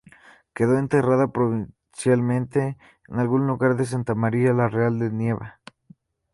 Quedó enterrada provisionalmente en algún lugar de Santa María la Real de Nieva.